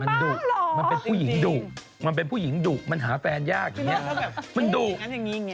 มันดุมันเป็นผู้หญิงดุมันเป็นผู้หญิงดุมันหาแฟนยากอย่างนี้มันดุ